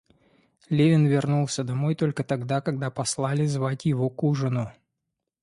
Левин вернулся домой только тогда, когда послали звать его к ужину.